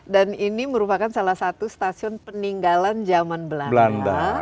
dan ini merupakan salah satu stasiun peninggalan zaman belanda